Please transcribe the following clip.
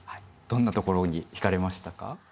どんなところにひかれましたか？